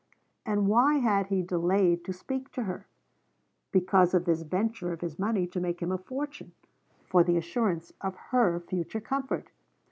And why had he delayed to speak to her? Because of this venture of his money to make him a fortune, for the assurance of her future comfort!